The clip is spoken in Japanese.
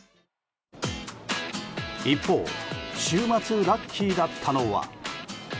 一方、週末ラッキーだったのは。